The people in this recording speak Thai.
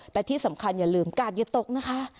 แต่ที่สำคัญอย่าลืมกาดอย่าตกนะคะ